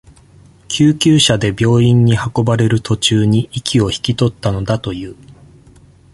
救急車で病院に運ばれる途中に、息を引き取ったのだという。